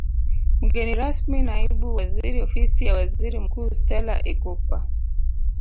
Mgeni rasmi Naibu Waziri Ofisi ya Waziri Mkuu Stella Ikupa